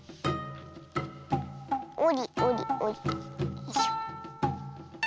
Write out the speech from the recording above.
よいしょ。